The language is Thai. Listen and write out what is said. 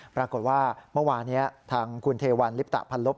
ปรากฏว่าเมื่อวานี้ทางคุณเทวันลิปตะพันลบ